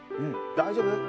「大丈夫？」